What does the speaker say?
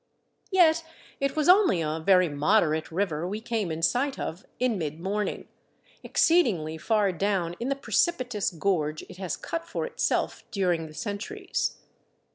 Yet it was only a very moderate river we came in sight of in mid morning, exceedingly far down in the precipitous gorge it has cut for itself during the centuries.